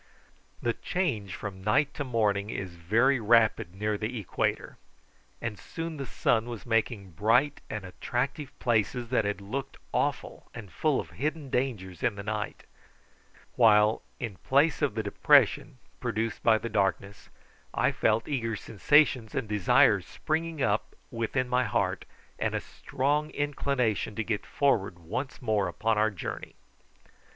The change from night to morning is very rapid near the equator, and soon the sun was making bright and attractive places that had looked awful and full of hidden dangers in the night; while, in place of the depression produced by the darkness, I felt eager sensations and desires springing up within my heart, and a strong inclination to get forward once more upon our journey.